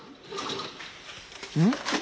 うん？